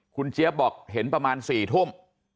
คุณเจี๊ยบบอกเห็นประมาณ๔ทุ่ม